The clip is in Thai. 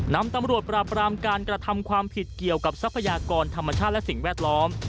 นำตำรวจปราบรามการกระทำความผิดเกี่ยวกับทรัพยากรธรรมชาติและสิ่งแวดล้อม